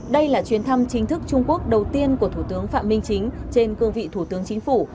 đây là chuyến thăm chính thức trung quốc đầu tiên của thủ tướng phạm minh chính trên cương vị thủ tướng chính phủ